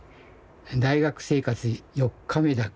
大学生活四日目だ」。